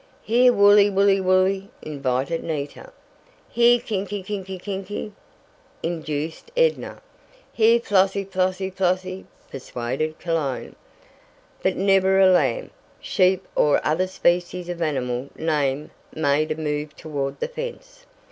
"Here, woolly, woolly, woolly!" invited Nita. "Here, kinky, kinky, kinky!" induced Edna. "Here, Flossy, Flossy, Flossy!" persuaded Cologne. But never a lamb, sheep or other species of animal named made a move toward the fence.